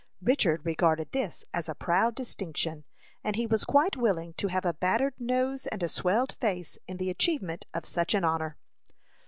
Richard regarded this as a proud distinction, and he was quite willing to have a battered nose and a swelled face in the achievement of such an honor.